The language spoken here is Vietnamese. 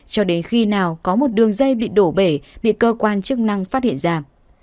cho đến khi nào có một đường dây bị đổ bể bị cơ quan chức năng phát hiện ra